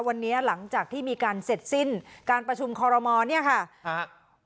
วันนี้หลังจากที่มีการเสร็จสิ้นการประชุมคอรมอลเนี่ยค่ะฮะ